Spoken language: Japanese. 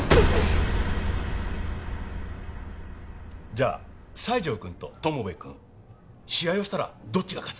じゃあ西条くんと友部くん試合をしたらどっちが勝つと？